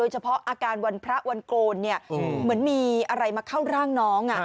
เฉพาะอาการวันพระวันโกนเหมือนมีอะไรมาเข้าร่างน้อง